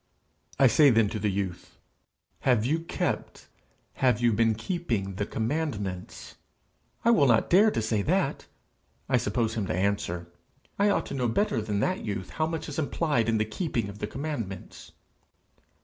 I say then to the youth: 'Have you kept have you been keeping the commandments?' 'I will not dare to say that,' I suppose him to answer. 'I ought to know better than that youth how much is implied in the keeping of the commandments!'